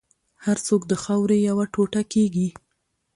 هر څوک د خاورې یو ټوټه کېږي.